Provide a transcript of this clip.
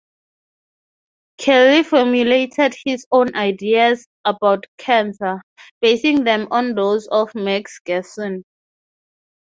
Kelley formulated his own ideas about cancer, basing them on those of Max Gerson.